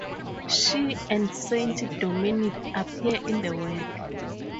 She and Saint Dominic appear in the work.